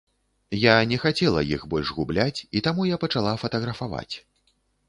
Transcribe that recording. Я не хацела іх больш губляць, і таму я пачала фатаграфаваць.